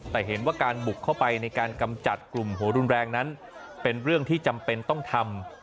แต่เห็นว่าการบุกเข้าไปในการกำจัดกลุ่มหัวรุนแรงนั้นเป็นเรื่องที่จำเป็นต้องทำ